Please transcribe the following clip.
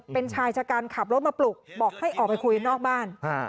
เป็นชายชะกันขับรถมาปลุกบอกให้ออกไปคุยนอกบ้าน